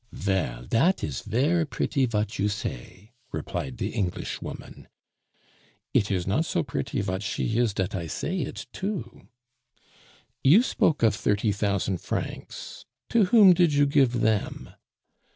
"Vell, dat is ver' pretty vat you say," replied the Englishwoman. "It is not so pretty vat she is dat I say it to." "You spoke of thirty thousand francs to whom did you give them?"